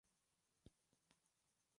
Estudió en la Universidad de Siracusa.